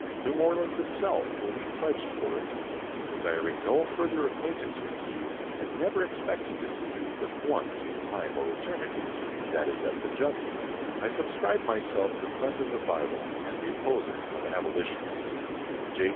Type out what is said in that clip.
New Orleans, itself, will be pledged for it. Desiring no further acquaintance with you, and never expecting to see you but once in time or eternity, that is at the judgment, I subscribe myself the friend of the Bible, and the opposer of abolitionists, J.